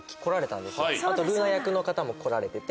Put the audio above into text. あとルーナ役の方も来られてて。